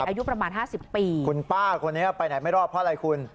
อายุประมาณ๕๐ปีคุณป้าคนนี้ไปไหนไม่รอดเพราะอะไรคุณ